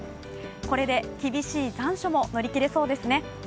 これで厳しい残暑も乗り切れそうですね。